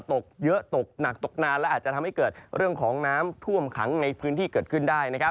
ตกเยอะตกหนักตกนานและอาจจะทำให้เกิดเรื่องของน้ำท่วมขังในพื้นที่เกิดขึ้นได้